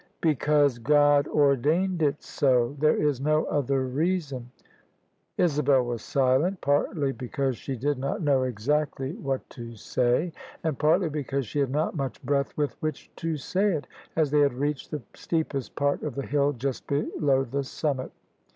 " Because God ordained it so. There is no other reason." Isabel was silent: partly because she did not know exactly [ 139 ] THE SUBJECTION what to say, and partly because she had not much breath with which to say it, as they had reached the steepest part of the hill just below the summit.